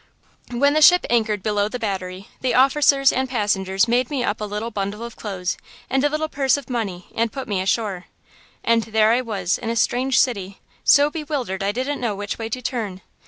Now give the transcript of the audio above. "When the ship anchored below the Battery, the officers and passengers made me up a little bundle of clothes and a little purse of money and put me ashore, and there I was in a strange city, so bewildered I didn't know which way to turn.